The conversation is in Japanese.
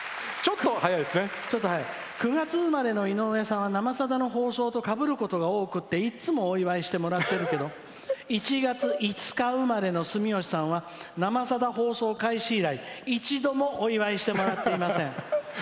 ９月生まれの井上さんは「生さだ」でかぶることが多くいつもお祝いしてもらってるけど１月５日生まれの住吉さんは「生さだ」放送開始以来一度もお祝いしてもらっていません」。